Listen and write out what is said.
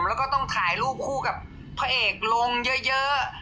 แล้วก็ต้องถ่ายรูปคู่กับพระเอกลงเยอะ